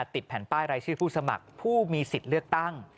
ติดแผ่นป้ายรายชื่อผู้สมัครผู้มีสิทธิ์เลือกตั้ง